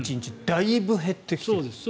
だいぶ減ってきている。